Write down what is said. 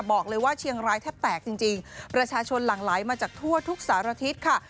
บอกเลยว่าเชียงรายแทบแตกจริงประชาชนหลั่งไหลมาจากทั่วทุกสารทิศค่ะ